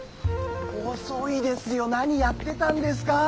遅いですよ何やってたんですか。